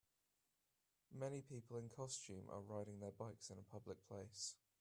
Many people in costume are riding their bikes in a public place